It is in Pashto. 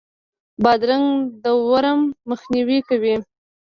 بادرنګ د ورم مخنیوی کوي.